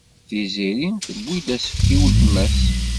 Tiziri tewwi-d asefk i weltma-s.